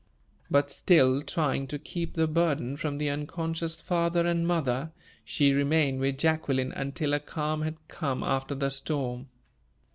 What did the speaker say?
But, still trying to keep the burden from the unconscious father and mother, she remained with Jacqueline until a calm had come after the storm.